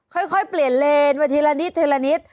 ค่อยเปลี่ยนเลนส์ไปทีละนิด